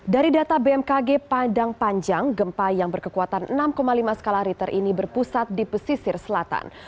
dari data bmkg padang panjang gempa yang berkekuatan enam lima skala riter ini berpusat di pesisir selatan